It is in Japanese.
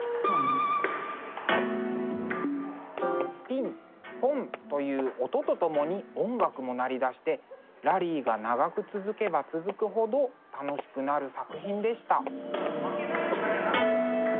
ピンポンという音とともに音楽も鳴りだしてラリーが長く続けば続くほど楽しくなる作品でした。